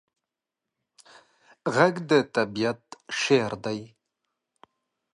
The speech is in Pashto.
غږ د طبیعت شعر دی